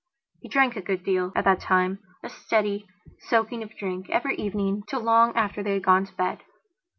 He drank a good deal, at that timea steady soaking of drink every evening till long after they had gone to bed.